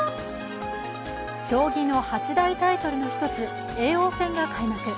将棋の八大タイトルの１つ、叡王戦が開幕。